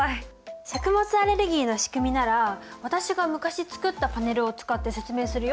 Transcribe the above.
食物アレルギーのしくみなら私が昔作ったパネルを使って説明するよ。